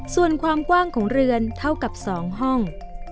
ส่วนความกว้างของเรือนเท่ากับ๒ห้อง